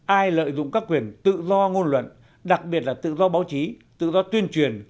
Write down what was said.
ai lợi dụng các quyền tự do ngôn luận đặc biệt là tự do báo chí tự do tuyên truyền